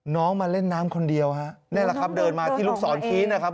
มาเล่นน้ำคนเดียวฮะนี่แหละครับเดินมาที่ลูกศรชี้นะครับ